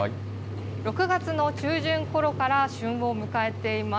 ６月の中旬頃から旬を迎えています。